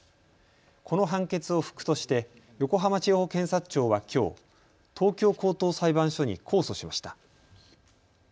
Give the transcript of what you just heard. この判決を不服として横浜地方検察庁はきょう東京高等裁判所に控訴しました。